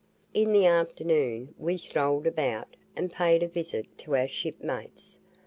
In the afternoon we strolled about, and paid a visit to our shipmates.